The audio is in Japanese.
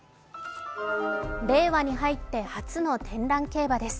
令和に入って初の天覧競馬です。